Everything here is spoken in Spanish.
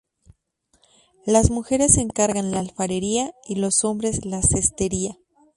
Las mujeres se encargan la alfarería y los hombres la cestería.